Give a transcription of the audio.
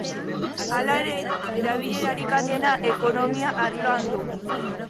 Hala ere, erabilerarik handiena ekonomia arloan du.